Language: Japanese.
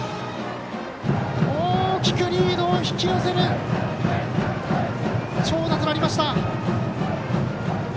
大きくリードを引き寄せる長打となりました。